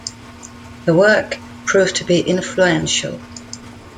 The work proved to be influential.